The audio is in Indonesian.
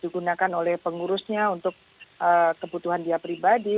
digunakan oleh pengurusnya untuk kebutuhan dia pribadi